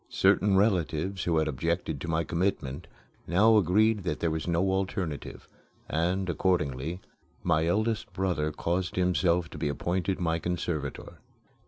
Certain relatives who had objected to my commitment now agreed that there was no alternative, and, accordingly, my eldest brother caused himself to be appointed my conservator.